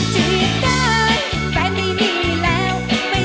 จีบด้านตากด้านฝ่า